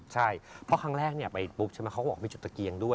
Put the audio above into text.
ใช่เพราะครั้งแรกไปปุ๊บใช่ไหมเขาก็บอกมีจุดตะเกียงด้วย